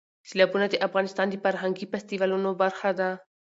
سیلابونه د افغانستان د فرهنګي فستیوالونو برخه ده.